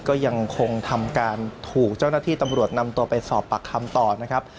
ก็ยังคงทำการถูกเจ้าหน้าที่ตำรวจนำตัวไปสอบปากคำต่อนะครับ